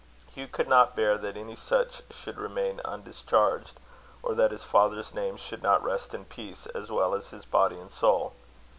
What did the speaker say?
Hugh could not bear that any such should remain undischarged, or that his father's name should not rest in peace as well as his body and soul.